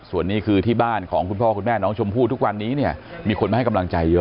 ส่วนนี้คือที่บ้านของคุณพ่อคุณแม่น้องชมพู่ทุกวันนี้เนี่ยมีคนมาให้กำลังใจเยอะ